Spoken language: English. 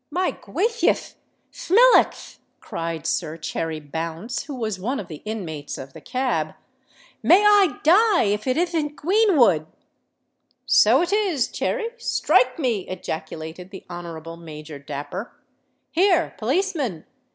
"My gwathiouth! Thmilackth," cried Sir Cherry Bounce, who was one of the inmates of the cab: "may I die if it ithn't Gweenwood!" "So it is, Cherry—strike me!" ejaculated the Honourable Major Dapper. "Here, policeman!